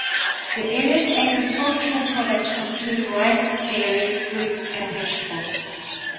The area's agricultural products include rice, dairy, fruits, and vegetables.